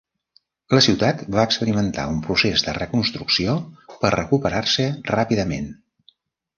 La ciutat va experimentar un procés de reconstrucció per recuperar-se ràpidament.